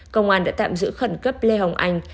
công an đã tạm giữ khẩn cấp lê hồng anh